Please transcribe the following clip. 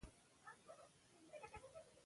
وطن په خلکو ښه ښکاریږي.